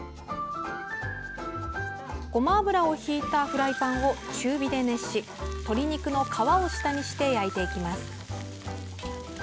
ごま油をひいたフライパンを中火で熱し鶏肉の皮を下にして焼いていきます。